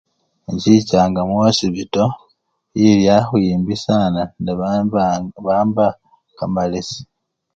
Inchichanga mukhosipito iliakhwimbi sana nebambaaa nebamba kamalesi.